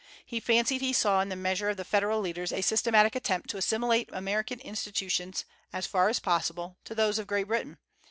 He fancied he saw in the measures of the Federal leaders a systematic attempt to assimilate American institutions, as far as possible, to those of Great Britain.